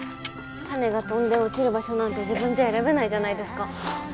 種が飛んで落ちる場所なんて自分じゃ選べないじゃないですか。